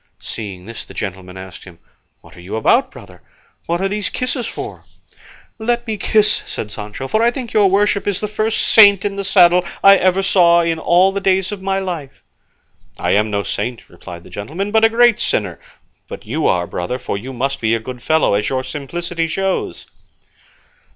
Seeing this the gentleman asked him, "What are you about, brother? What are these kisses for?" "Let me kiss," said Sancho, "for I think your worship is the first saint in the saddle I ever saw all the days of my life." "I am no saint," replied the gentleman, "but a great sinner; but you are, brother, for you must be a good fellow, as your simplicity shows."